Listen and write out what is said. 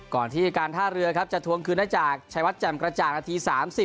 ก่อนที่การท่าเรือครับจะทวงคืนได้จากชายวัดแจ่มกระจ่างนาที๓๐